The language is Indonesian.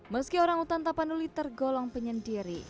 meski orangutan tapanuli tergolong penyendiri